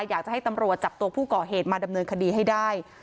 อยากจะให้ตำรวจจับตัวผู้ก่อเหตุมาดำเนินคดีให้ได้